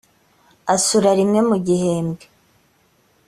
asura rimwe mu gihembwe.